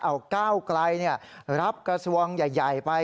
เอาก้าวไกลรับกระทรวงใหญ่ไป